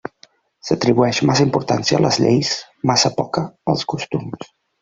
S'atribueix massa importància a les lleis, massa poca als costums.